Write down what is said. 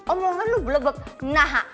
omongan lu belebep nah